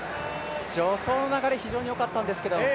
助走の流れ、非常によかったんですけどね。